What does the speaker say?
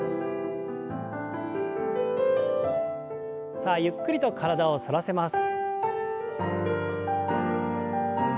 さあゆっくりと体を反らせます。